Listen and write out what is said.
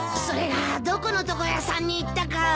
それがどこの床屋さんに行ったか。